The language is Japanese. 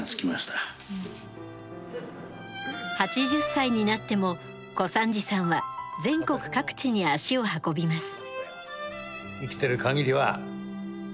８０歳になっても小三治さんは全国各地に足を運びます。